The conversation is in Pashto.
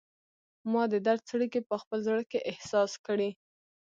ما د درد څړیکې په خپل زړه کې احساس کړي